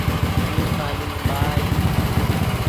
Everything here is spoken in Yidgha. یو قالین ڑائے